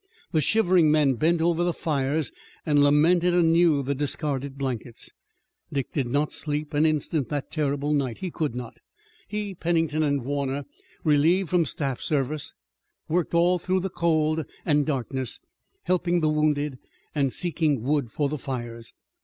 The shivering men bent over the fires and lamented anew the discarded blankets. Dick did not sleep an instant that terrible night. He could not. He, Pennington, and Warner, relieved from staff service, worked all through the cold and darkness, helping the wounded and seeking wood for the fires.